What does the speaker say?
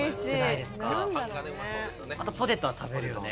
あとポテトは食べるよね。